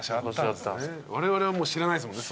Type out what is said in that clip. われわれはもう知らないっすもんね。